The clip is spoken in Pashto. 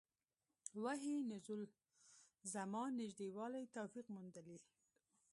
وحي نزول زمان نژدې والی توفیق موندلي.